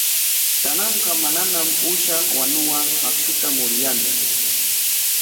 Kananqa manañam uusha wanuwan akshuta muruyantsu.